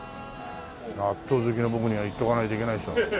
納豆好きの僕には行っとかないといけないでしょ。